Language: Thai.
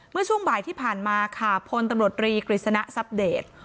เมื่อช่วงบ่ายที่ผ่านมาค่ะพลตำรวจรีกฤษณะทรัพเดต